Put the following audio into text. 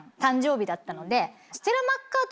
だったので。